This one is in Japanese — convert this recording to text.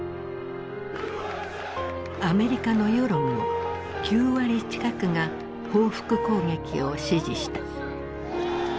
アメリカの世論も９割近くが報復攻撃を支持した。